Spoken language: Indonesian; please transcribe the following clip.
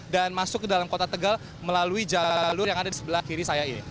dan masuk ke dalam kota tegal melalui jalur yang ada di sebelah kiri saya ini